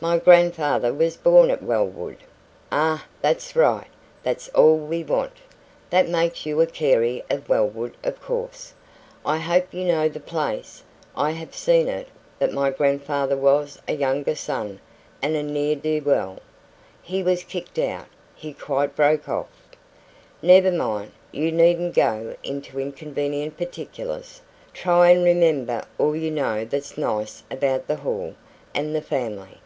"My grandfather was born at Wellwood " "Ah, that's right! That's all we want. That makes you a Carey of Wellwood, of course. I hope you know the place?" "I have seen it. But my grandfather was a younger son and a ne'er do weel; he was kicked out he quite broke off " "Never mind. You needn't go into inconvenient particulars. Try and remember all you know that's nice about the Hall and the family.